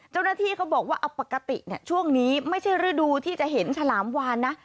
เจ้าหน้าที่เขาบอกว่าเอาปกติช่วงนี้ไม่ใช่ฤดูที่จะเห็นฉลามวานนะ